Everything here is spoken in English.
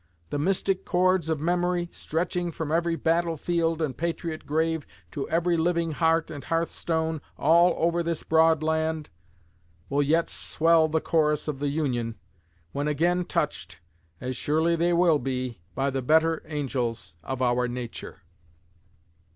The mystic chords of memory, stretching from every battlefield and patriot grave to every living heart and hearthstone all over this broad land, will yet swell the chorus of the Union, when again touched, as surely they will be, by the better angels of our nature.